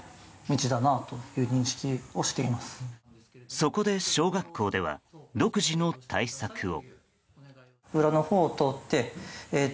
そこで小学校では独自の対策を。